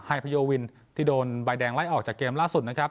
พโยวินที่โดนใบแดงไล่ออกจากเกมล่าสุดนะครับ